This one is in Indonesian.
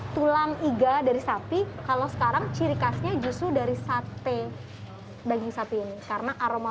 tulang iga dari sapi kalau sekarang ciri khasnya justru dari sate daging sapi ini karena aroma